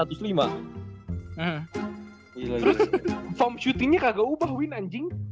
terus form shootingnya kagak ubah win anjing